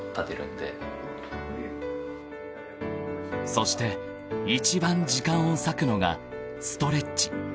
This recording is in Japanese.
［そして一番時間を割くのがストレッチ］